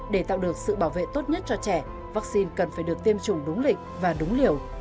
để tạo được sự bảo vệ tốt nhất cho trẻ vaccine cần phải được tiêm chủng đúng lịch và đúng liều